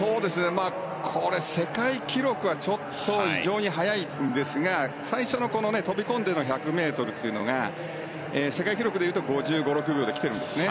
これは世界記録はちょっと非常に速いんですが最初の飛び込んでの１００ｍっていうのが世界記録でいうと５５６秒で来てるんですね。